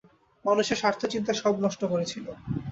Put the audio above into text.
মানুষের স্বার্থ-চিন্তা সব নষ্ট করেছিল।